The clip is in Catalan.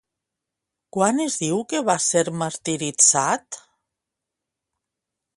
Quan es diu que va ser martiritzat?